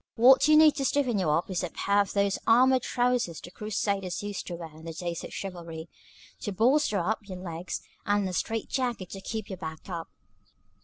What you need to stiffen you up is a pair of those armored trousers the Crusaders used to wear in the days of chivalry, to bolster up your legs, and a strait jacket to keep your back up."